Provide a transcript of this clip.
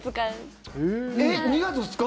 ２月２日。